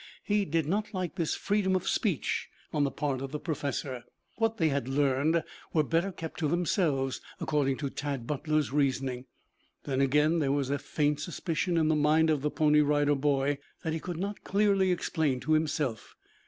He did not like this freedom of speech on the part of the professor. What they had learned were better kept to themselves according to Tad Butler's reasoning. Then again there was a faint suspicion in the mind of the Pony Rider Boy, that he could not clearly explain to himself.